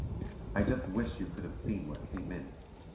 I just wish you could have seen what came in.